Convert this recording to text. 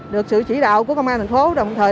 được sự chỉ đạo của công an thành phố đồng thời